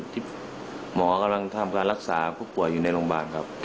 ที่หมอกำลังทำการรักษาผู้ป่วยอยู่ในโรงพยาบาลครับ